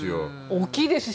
大きいですし。